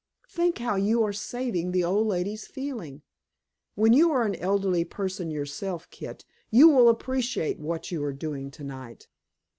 Think how you are saving the old lady's feeling! When you are an elderly person yourself, Kit, you will appreciate what you are doing tonight."